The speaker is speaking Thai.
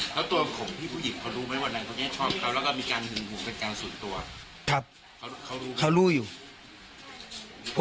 แล้วตัวของพี่ผู้หญิงเขารู้ไหมว่านั่งตัวเนี้ยชอบเขาแล้วก็มีการหึงหวงเป็นการส่วนตัว